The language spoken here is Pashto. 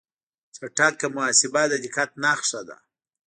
چټک محاسبه د دقت نښه ده.